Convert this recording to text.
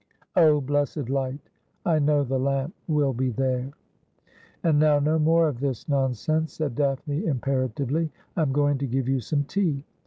' Oh, blessed light. I know the lamp will be there.' ' And now no more of this nonsense,' said Daphne impera tively. ' I am going to give you some tea.'